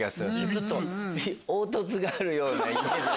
ちょっと凹凸があるようなイメージ。